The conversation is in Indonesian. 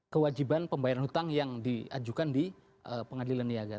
kewajiban pembayaran hutang yang diajukan di pengadilan niaga